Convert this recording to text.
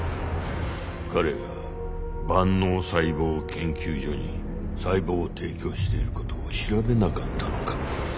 彼が万能細胞研究所に細胞を提供していることを調べなかったのか？